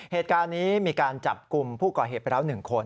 เหตุการณ์นี้มีการจับกลุ่มผู้ก่อเหตุไปแล้ว๑คน